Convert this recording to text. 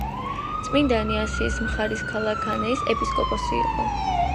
წმინდანი ასიის მხარის ქალაქ ანეის ეპისკოპოსი იყო.